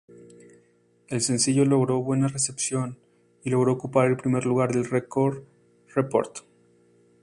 El sencillo logró buena recepción y logro ocupar el primer lugar del Record Report.